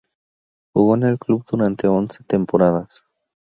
Jugó en el club durante once temporadas.